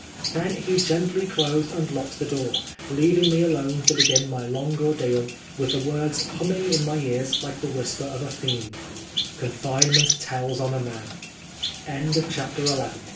Then he gently closed and locked the door, leaving me alone to begin my long ordeal, with the words humming in my ears like the whisper of a fiend— Confinement tells on a man I CHAPTER